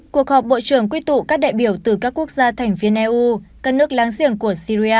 cuộc họp bộ trưởng quy tụ các đại biểu từ các quốc gia thành viên eu các nước láng giềng của syria